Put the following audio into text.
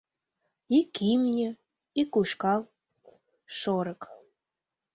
Ик имне, ик ушкал, шорык.